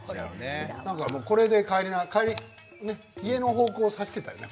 これでね、帰り家の方向を指していたりね。